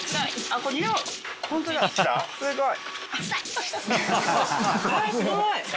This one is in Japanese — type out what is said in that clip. あすごい！